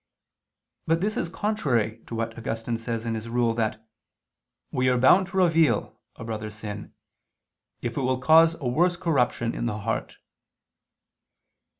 But this is contrary to what Augustine says in his Rule that "we are bound to reveal" a brother's sin, if it "will cause a worse corruption in the heart."